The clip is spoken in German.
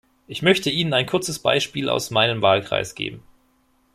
Ich möchte Ihnen ein kurzes Beispiel aus meinem Wahlkreis geben.